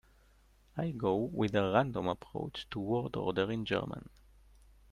I go with a random approach to word order in German.